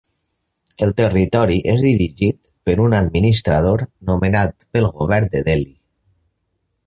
El territori és dirigit per un administrador nomenat pel govern de Delhi.